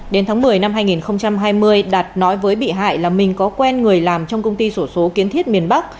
đến tháng một mươi năm hai nghìn hai mươi đạt nói với bị hại là mình có quen người làm trong công ty sổ số kiến thiết miền bắc